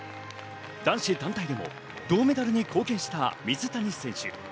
男子団体でも銅メダルに貢献した水谷選手。